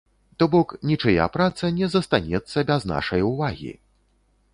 То бок, нічыя праца не застанецца без нашай увагі.